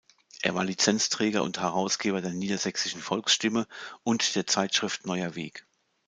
Er war Lizenzträger und Herausgeber der „Niedersächsischen Volksstimme“ und der Zeitschrift „Neuer Weg“.